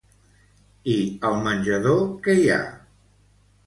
I al menjador què hi ha?